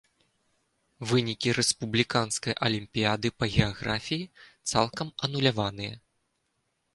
Вынікі рэспубліканскай алімпіяды па геаграфіі цалкам ануляваныя.